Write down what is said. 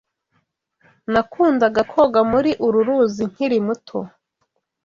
Nakundaga koga muri uru ruzi nkiri muto.